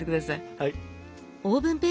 はい。